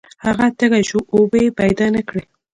هغه تږی شو او اوبه یې پیدا نه کړې.